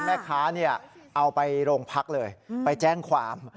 แม่ค้าเอาไปโรงพักเลยไปแจ้งความ